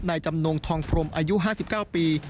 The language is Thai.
จำนงทองพรมอายุ๕๙ปี